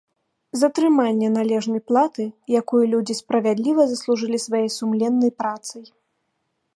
Затрыманне належнай платы, якую людзі справядліва заслужылі сваёй сумленнай працай.